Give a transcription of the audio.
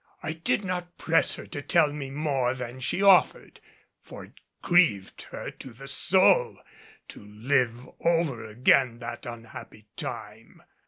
I did not press her to tell me more than she offered, for it grieved her to the soul to live over again that unhappy time.